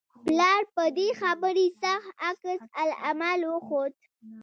پلار په دې خبرې سخت عکس العمل وښود